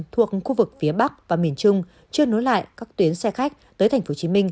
thuộc khu vực phía bắc và miền trung chưa nối lại các tuyến xe khách tới tp hcm